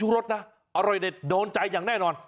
รสนะอร่อยเด็ดโดนใจอย่างแน่นอน